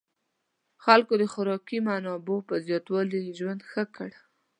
خلکو د خوراکي منابعو په زیاتوالي ژوند ښه کړ.